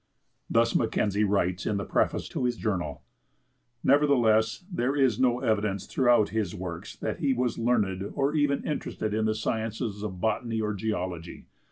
Thus Mackenzie writes in the preface to his journal. Nevertheless, there is no evidence throughout his works that he was learned or even interested in the sciences of botany or geology.